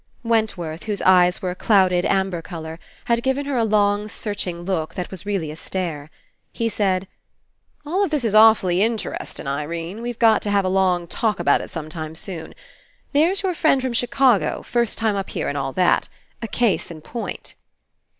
Wentworth, whose eyes were a clouded amber colour, had given her a long, searching look that was really a stare. He said: "All this is awfully interestin', Irene. We've got to havw. a long talk about it some time soon. There's your friend from Chicago, first time up here and all that. A case in point."